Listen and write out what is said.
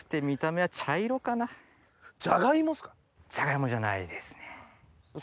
ジャガイモじゃないですね。